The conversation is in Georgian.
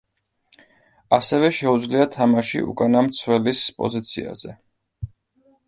ასევე შუეძლია თამაში უკანა მცველის პოზიციაზე.